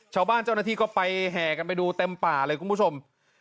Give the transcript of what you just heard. ชาวบ้านเจ้าหน้าที่ก็ไปแห่กันไปดูเต็มป่าเลยคุณผู้ชม